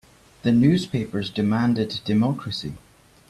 The newspapers demanded democracy.